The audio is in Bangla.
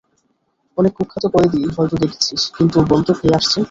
অনেক কুখ্যাত কয়েদী হয়তো দেখেছিস কিন্তু বল তো কে আসছে?